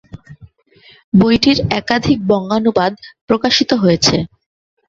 বইটির একাধিক বঙ্গানুবাদ প্রকাশিত হয়েছে।